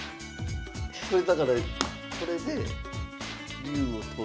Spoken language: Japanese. これだからこれで竜を取る。